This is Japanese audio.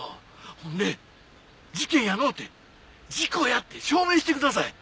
ほんで事件やのうて事故やって証明してください！